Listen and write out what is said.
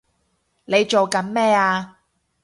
你做緊咩啊！